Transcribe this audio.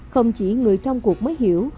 không chỉ người trong cuộc mới hiểu